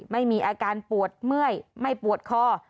ไม่มีอาการปวดเมื่อยไม่ปวดคอ